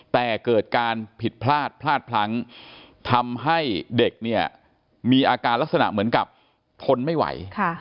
แต่เกิดการผิดพลาดพลาดพลั้งทำให้เด็กเนี่ยมีอาการลักษณะเหมือนกับทนไม่ไหว